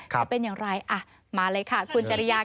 จะเป็นอย่างไรมาเลยค่ะคุณจริยา